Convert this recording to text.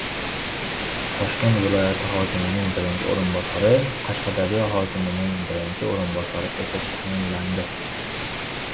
Toshkent viloyati hokimining birinchi o‘rinbosari Qashqadaryo hokimining birinchi o‘rinbosari etib tayinlandi